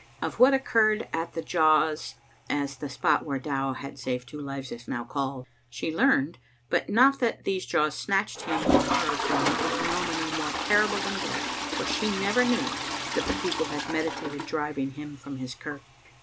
Of what occurred at the Jaws, as the spot where Dow had saved two lives is now called, she learned, but not that these Jaws snatched him and her from an ignominy more terrible than death, for she never knew that the people had meditated driving him from his kirk.